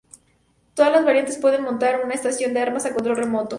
Todas las variantes pueden montar una estación de armas a control remoto.